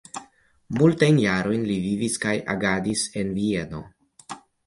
Multajn jarojn li vivis kaj agadis en Vieno.